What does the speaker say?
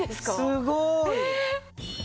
すごーい。